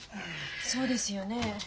そうですよね。